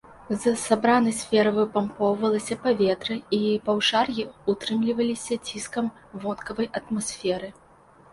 З сабранай сферы выпампоўвалася паветра, і паўшар'і ўтрымліваліся ціскам вонкавай атмасферы.